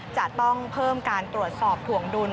จะต้องเพิ่มการตรวจสอบถวงดุล